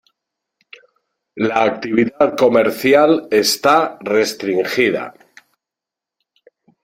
La actividad comercial está restringida.